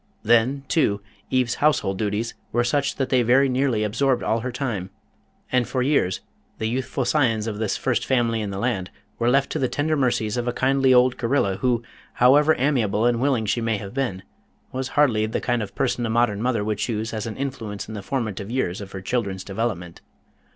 Then, too, Eve's household duties were such that they very nearly absorbed all her time, and for years the youthful scions of this first family in the land were left to the tender mercies of a kindly old Gorilla who, however amiable and willing she may have been, was hardly the kind of person a modern mother would choose as an influence in the formative years of her children's development.